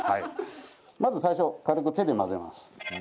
まず最初軽く手で混ぜます。